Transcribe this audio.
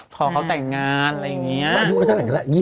พอเขาแต่งงานอะไรอย่างนี้